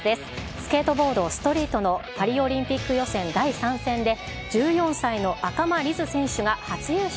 スケートボードストリートのパリオリンピック予選第３戦で、１４歳の赤間凛音選手が初優勝。